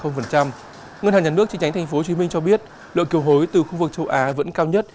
ngân hàng nhà nước chi nhánh tp hcm cho biết lượng kiều hối từ khu vực châu á vẫn cao nhất